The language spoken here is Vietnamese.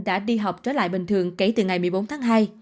đã đi học trở lại bình thường kể từ ngày một mươi bốn tháng hai